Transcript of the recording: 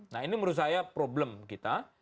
nah ini menurut saya problem kita